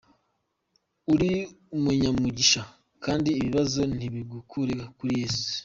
Uri umunyamugisha kandi ibibazo ntibigukure kuri Yesu.